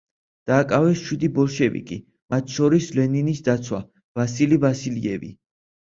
დააკავეს შვიდი ბოლშევიკი, მათ შორის ლენინის დაცვა ვასილი ვასილიევი.